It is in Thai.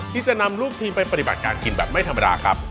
ที่จะนำลูกทีมไปปฏิบัติการกินแบบไม่ธรรมดาครับ